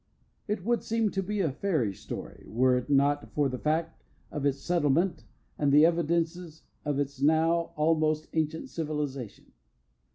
It would seem to be a fairy story were it not for the fact of its settlement, and the evidences of its now almost ancient civilization.